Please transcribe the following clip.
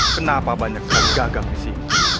kenapa banyak yang gagal di sini